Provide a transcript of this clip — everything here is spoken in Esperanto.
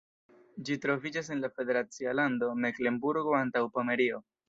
Ĝi troviĝas en la federacia lando Meklenburgo-Antaŭpomerio.